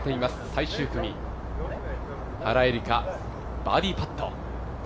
最終組、原英莉花、バーディーパット。